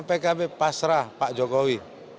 pkb pasrah pak jokowi